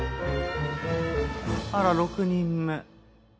あら６人目。